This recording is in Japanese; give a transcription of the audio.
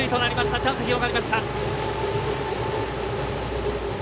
チャンス広がりました。